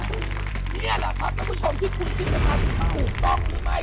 นี่แหละครับท่านผู้ชมที่คุณคิดว่าถูกต้องหรือไม่